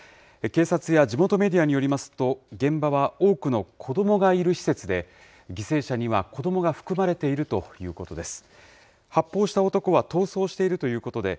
警察や地元メディアによりますと、現場は多くの子どもがいる施設で、犠牲者には子どもが含まれているということです。